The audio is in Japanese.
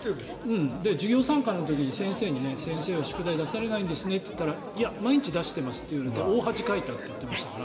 授業参観の時に先生に先生は宿題出されないんですねって言ったらいや、毎日出していますと言われて大恥かいたと言っていましたから。